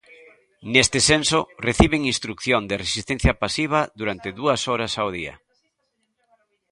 Neste senso, reciben instrución de "resistencia pasiva" durante "dúas horas ao día".